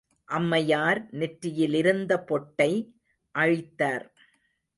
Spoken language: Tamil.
அம்மையார் நெற்றியிலிருந்த பொட்டை அழித்தார்.